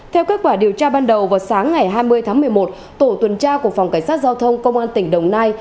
theo kết quả điều tra ban đầu vào sáng ngày hai mươi tháng một mươi một tổ tuần tra của phòng cảnh sát giao thông công an tỉnh đồng nai